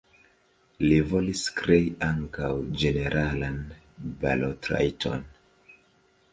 Li volis krei ankaŭ ĝeneralan balotrajton.